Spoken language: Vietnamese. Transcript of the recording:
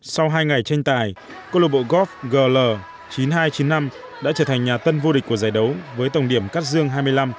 sau hai ngày tranh tài cơ lộc bộ góp gl chín nghìn hai trăm chín mươi năm đã trở thành nhà tân vô địch của giải đấu với tổng điểm cắt dương hai mươi năm